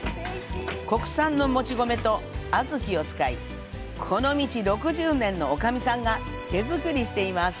国産のもち米と小豆を使い、この道６０年の女将さんが手作りしています。